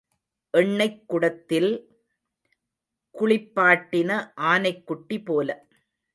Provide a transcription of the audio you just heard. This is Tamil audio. எண்ணெய்க் குடத்தில் குளிப்பாட்டின ஆனைக்குட்டி போல.